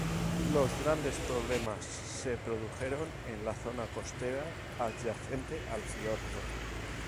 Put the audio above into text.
Los grandes problemas se produjeron en la zona costera adyacente al fiordo.